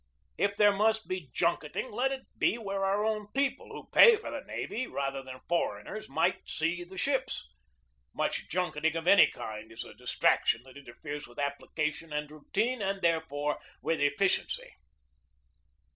If there must be junketing, let it be where our own people, who pay for the navy, rather than foreigners, might see the ships. Much junketing of any kind is a distraction that interferes with application and routine, and therefore with efficiency.